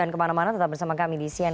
gak keberatan mbak rifana